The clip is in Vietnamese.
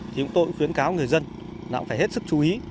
thì chúng tôi cũng khuyến cáo người dân là cũng phải hết sức chú ý